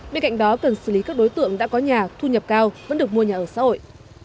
bên cạnh đó cần xử lý các đối tượng đã có nhà thu nhập cao vẫn được mua nhà ở xã hội